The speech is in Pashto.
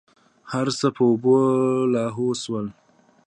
هرڅه په اوبو لاهو سول.